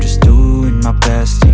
perkara nyakit kalian